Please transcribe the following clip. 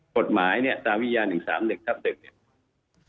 กฎหมายเนี่ยตามวิทยา๑๓๑ทับ๑เนี่ย